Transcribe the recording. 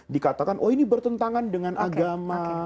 dikatakan oh ini bertentangan dengan agama